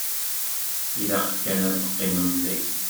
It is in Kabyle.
Ilaq kan ad teqqimem daki.